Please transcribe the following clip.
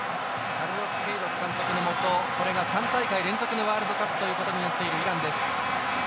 カルロス・ケイロス監督のもとこれが３大会連続のワールドカップということになっているイランです。